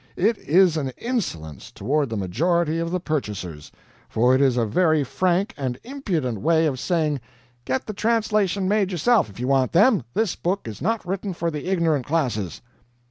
It is an insolence toward the majority of the purchasers, for it is a very frank and impudent way of saying, 'Get the translations made yourself if you want them, this book is not written for the ignorant classes.'